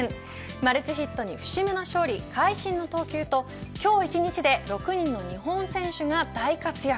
マルチヒットに節目の勝利会心の投球と今日１日だけで６人の日本選手が大活躍。